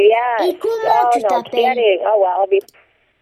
Et comment tu t’appelles?